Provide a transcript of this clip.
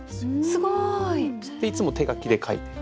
すごい！いつも手書きで書いてて。